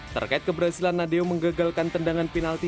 terkait keberhasilan nadeo menggagalkan tendangan penalti